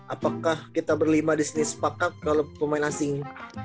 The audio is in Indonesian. apakah kita berlima di sini sepakat dalam pemain asing